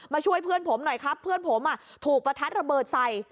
ช่วยเพื่อนผมหน่อยครับเพื่อนผมถูกประทัดระเบิดใส่